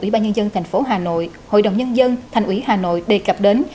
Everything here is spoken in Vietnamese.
ủy ban nhân dân thành phố hà nội hội đồng nhân dân thành ủy hà nội đề cập đến